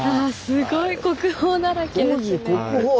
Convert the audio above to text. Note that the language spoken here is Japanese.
すごい国宝だらけですね。